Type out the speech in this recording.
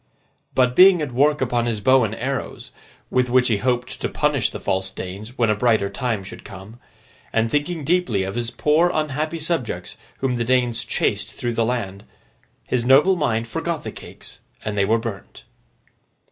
But, being at work upon his bow and arrows, with which he hoped to punish the false Danes when a brighter time should come, and thinking deeply of his poor unhappy subjects whom the Danes chased through the land, his noble mind forgot the cakes, and they were burnt.